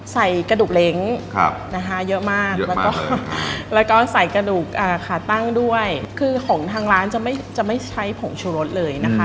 ใส่กระดูกเล้งนะคะเยอะมากแล้วก็ใส่กระดูกขาตั้งด้วยคือของทางร้านจะไม่ใช้ผงชูรสเลยนะคะ